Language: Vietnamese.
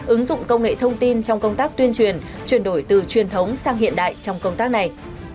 ứng dụng công nghệ thông tin trong công tác tuyên truyền chuyển đổi từ truyền thống sang hiện đại trong công tác này